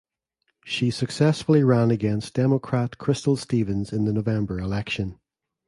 She successfully ran against Democrat Crystal Stevens in the November election.